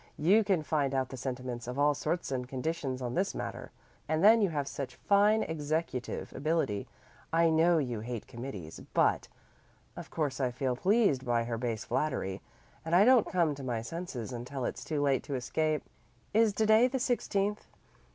You can find out the sentiments of all sorts and conditions on this matter. And then you have such fine executive ability. I know you hate committees, but ' Of course I feel pleased by her base flattery, and I don't come to my senses until it's too late to escape. Is to day the sixteenth?"